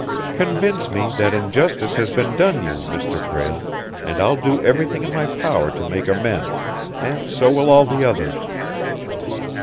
"Convince me that injustice has been done you, Mr. Prale, and I'll do everything in my power to make amends and so will all the others!"